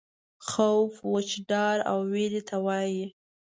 خوف وچ ډار او وېرې ته وایي.